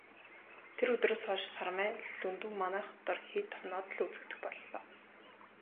Тэр өдрөөс хойш Сармай Лхүндэв манай хотоор хэд хоноод л үзэгдэх боллоо.